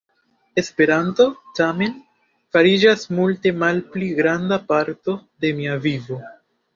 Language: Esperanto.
Esperanto, tamen, fariĝas multe malpli granda parto de mia vivo.